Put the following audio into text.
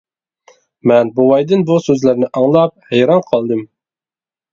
مەن بوۋايدىن بۇ سۆزلەرنى ئاڭلاپ ھەيران قالدىم.